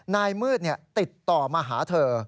นายมืดติดต่อมาหาเธอ